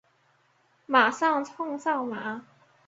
马上冲上车